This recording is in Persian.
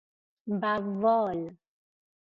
بوال